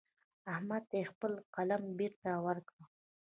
احمد ته يې خپل قلم بېرته ورکړ.